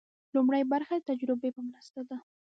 لومړۍ برخه د تجربې په مرسته ده.